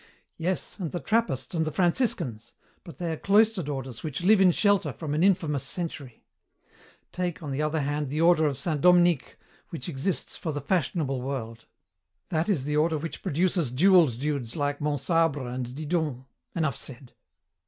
"Yes, and the Trappists and the Franciscans. But they are cloistered orders which live in shelter from an infamous century. Take, on the other hand, the order of Saint Dominic, which exists for the fashionable world. That is the order which produces jewelled dudes like Monsabre and Didon. Enough said."